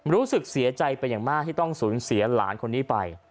รู้สึกเสียใจเป็นอย่างมากที่ต้องสูญเสียหลานคนนี้ไป